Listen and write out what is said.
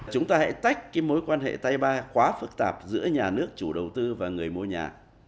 chúng ta hãy tách mối quan hệ tay ba quá phức tạp giữa nhà nước chủ đầu tư và người mua nhà